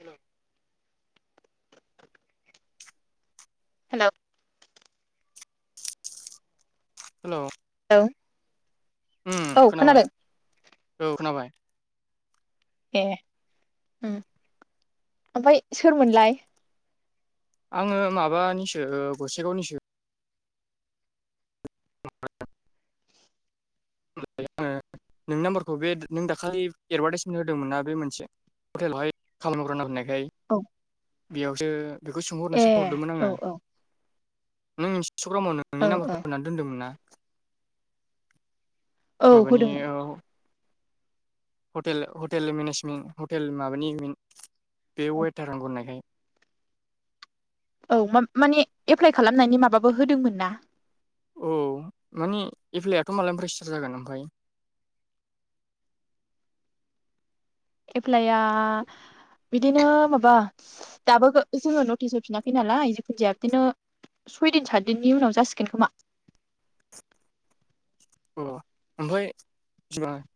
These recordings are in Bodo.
हेल' हेल' हेल' हेलौ उम खोनाबाय औ खोनाबाय। ए उम ओमफाय सोरमोनलाय? आङो माबानिसो गसाइगावनिसो। [unintelligible] होनालाय आङो नोंनि नाम्बारखौ बे नों दाखालि एडभार्टाइसमेन्ट होदोंमोन नना बे मोनसे हटेलावहाय खालामग्रना होननाय ओमफ्राय औ बेयावसो बेखौ ए सोंहरनोसो हरदोंमोन आङो औ औ नोंसे सग्रामाव औ नोंनि औ नाम्बारखौ होनानै दोन्दोंमोन ना औ माबानि होदोंमोन हेल हटेल मेनेजमेन्ट हटेल माबानि बे वेटार नंगौनो औ मा माने एप्लाइ खालामनायनि माबाबो होदोंमोन ना। औ मानिे एप्लाइआथ' मालानिफ्राय स्टार जागोन ओमफफ्राय? एप्लाइआ बिदिनो माबा दाबो जोङो नटिस होरफिनाखै नालाय जिखुनजाया बिदिनो सयदिन सातदिननि उनाव जासिगोन खोमा अ ओमफ्राय बिसिबां?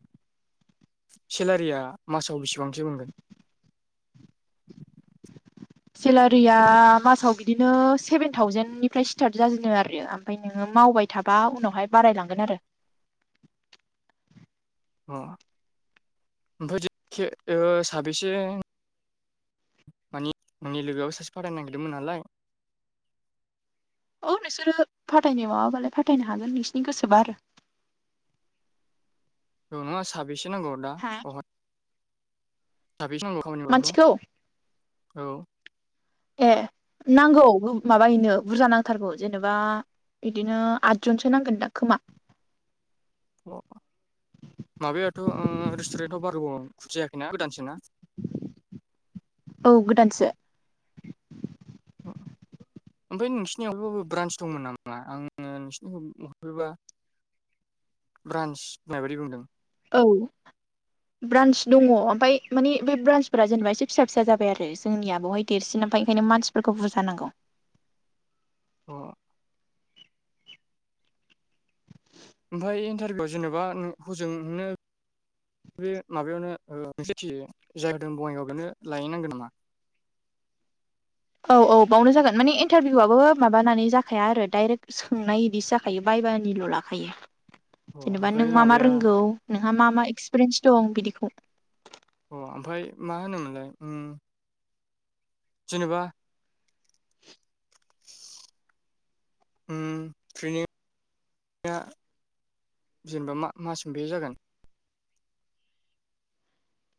सेलारिया मासाव बेसेबांसो मोनगोन? सेलारिया मासाव बिदिनो सेभेन थावजेननिफ्राय स्टार्ट जाजोदों आरो ओमफ्राय नोङो मावबाय थाबा उनावहाय बारायलांगोन आरो अ ओमफ्रायख जे के ओ साबैसे मानि आंनि लोगोआव सासे फरायनो नागिरदोंमोन नालाय औ नोंसोरो फाथायनाय माबाबालाय फाथायनो हागोन नोंसिनि गोसोबा आरो औ नोंङा साबेसे नांगौ दा हा बह साबेसे नांगौ खामानिखौ? मानसिखौ औ ए नांगौ माबायनो बुरजा नांथारगौ जेनेबा बिदिनो आदजनसो नांगोन दा खोमा। अ माबायाथ' ओ रेस्टुरेन्टाव बार गोबाव खु जायाखैना गोदानसो ना। औ गोदानसो। अ ओमफ्राय नोंसिनियावबो ब्रान्स दंमोन नामा आङो नोंसिनि हैबा ब्रान्स होननाय बायदि बुंदों। औ ब्रान्स दङ ओमफाय माने बे ब्रान्सफोरा जेनेबा एसे फिसा फिसा जाबाय आरो जोंनिया बेवहाय‌ देरसिन मफ्राय ओंखायनो मानसिफोरखौ बुरजाांगौ। अ ओमफफ्राय इन्टारभिउआव जेनेबा हजोंनो बे माबायावनोसेथियो जायगदों बङाइगाव बेनो लायैनांगोन नामा? औ औ बावनो जागोन माने इन्टारभिउआबो माबानानै जाखाया आरो दडाइरेक्ट सोंनाय बिदिसो लाायो बायबानिल' लाखायो। [inaudible] जेनेबा नों ओमफ्राय मा मा माबाया रोंगौ नोंहा मा मा एक्सपिरियेन्स दं बिदिखौ। अ ओमफ्राय मा होनोमोनलाय उम जेनेबा [inaudible] उम ट्रेनिंया जेनेबाा मास मोन बेसे जागोन?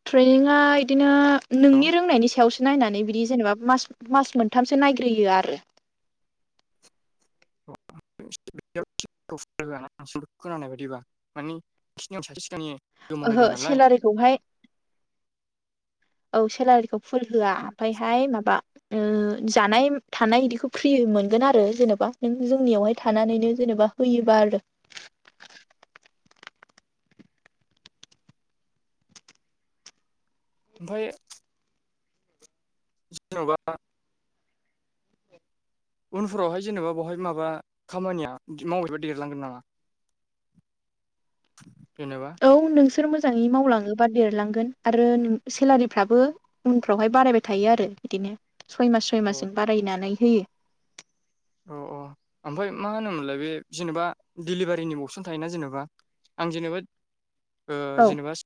ट्रेनिंआ बिदिनो नोंनि रोंनायनि सायावसो। बि नायनानै बिदि जेनेबा मास मास मोनथामसो नायग्रोयो आरो अ [unintelligible] नोंसिनि [unintelligible] खोनानाय बायदिबा माने खिनायाव सासे [unintelligible] ओहो दं नालाय सेलारिखौहाय औ सेलारिखौ फुल होआ ओमफ्रायहाय माबा ओ [inaudible] जानाय थानाय इदिखौ फ्रि मोनगोन आरो जेनेबा नों जोंनियावहाय थानानैनो जेनेबा होयोबा आरो। ओमफ्राय जेन'बा। उनफोरावहाय जेनेबा बावहाय माबा खामानिया मावहैबा देरलांगोन नामा? जेनेबा औ नोंसोर मोजाङै मावलाङोबा देरलांगोन आरो नों सेलारिफ्राबो उनफ्रावहाय बारायबाय थायो आरो बिदिनो सय मास सय अ मासजों बारायनानै होयो। अ अ औ ओमफ्राय मा होनोमोनलाय बे जेनेबा डिलिभारिनि अबसन थायोना जेनेबा आं जेनेबा ओ औ जेनेबा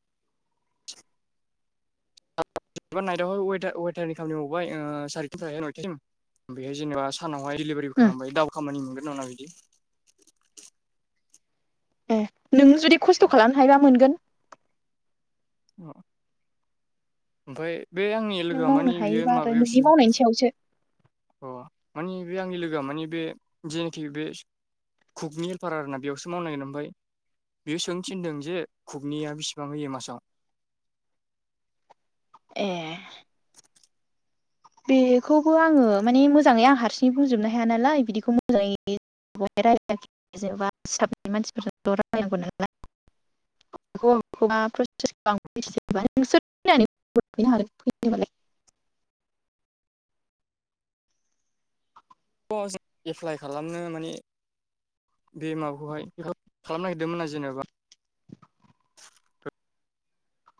जेनेबा नाइटआवहायार वेटारनि खामानि मावबाय सारिथिानिफ्रायहाय नयथासिम बेहाय जेनेबा सानावहाय दिडलिभारिबो उम खालामबाय दाबल खामानि मोनगोन नामा बिदि। ए नों जुदि खस्थ' खालामनो हायोबा मोनगोन। ओ ओमफ्राय बे आंनि नों लोगोआ मावनो मानि बेयो हायोबा आरो नोंनि माबायावसो मावनायनि सायावसो अ मानि बे आंनि लोगोआ मानि बे जेनाखि बे कुकनि हेलपारा आर ना बेयावसो मावनांगोन ओमफ्राय बेयो सोंनो थिनदों जे खुगनिया बेसिबां होयो मासाव। ए बेखौबो आङो माने मोजाङै आं हारसिङै बुंजोबनो हाया नालाय बिदिखौ मोजाङै बहाय रायायाखै जेनेबा फिसाबनि मानसिफोरथ' रायनांगौ नालाय [unintelligible] [unintelligible] जों एप्लाइ खालामनो माने बे माबाखौहाय खालामनो नागिरदोंमोन आरो जेनेबा।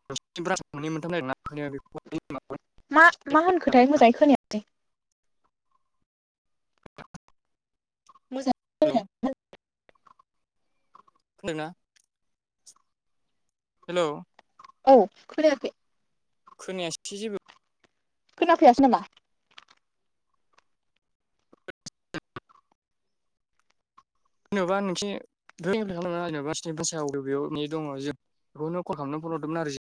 [unintelligible] मोननै मोनथामबाय आरो ना मा मा होनखोथाय मोजाङै खोनाया मोजां हेलौ खोनदोंना? हेल'! औ खोनायाखै खोनायासै जेबो। खोनाफैयासै नामा? जेनेबा नोंसि बे [unintelligible] खालामा जेनबा बेयावनि दङ [unintelligible] बेखौनो कल खालामनानै फन हरदोंमोन आरो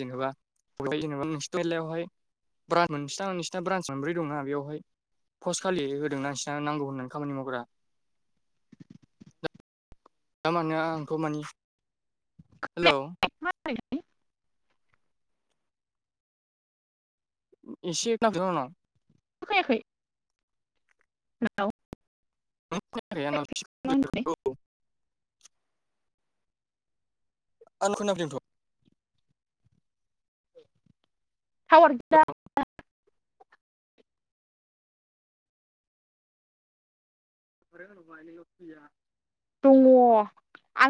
जेनेबा जेनेबा नोंसिरनि मलायावहाय ब्रान मोनसेथां नोंसिना ब्रान्स मोनब्रै दङना बेवहाय पस्ट खालि होदों नोंसिना नांगौ होननानै खामानि मावग्रा। दा मा होन आंथ मानि हेलौ! [unintelligible] एसे [unintelligible] खोनायाखै औ [unintelligible] आंनाव खोनाफैदोंथ'। थावार गैया [unintelligible] दङ